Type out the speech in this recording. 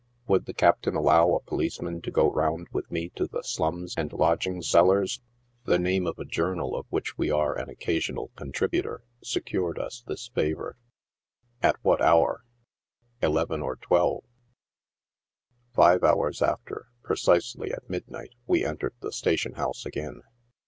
" Would the Captain allow a policeman to go round with me to the 'slums' and lodging cellars?" The name of a journal of which we are an occasional contributor secured us this favor. " At what hour V '• Eleven or twelve." Five hours after, precisely at midnight, we entered the station house again.